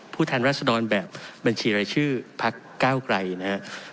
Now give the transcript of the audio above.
แทนรัศดรแบบบัญชีรายชื่อพักเก้าไกลนะครับ